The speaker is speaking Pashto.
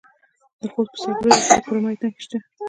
د خوست په صبریو کې د کرومایټ نښې شته.